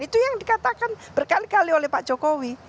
itu yang dikatakan berkali kali oleh pak jokowi